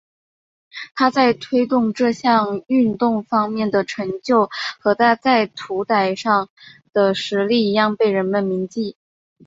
他在推动这项运动方面的成就和他在土俵上的实力一样被人们铭记。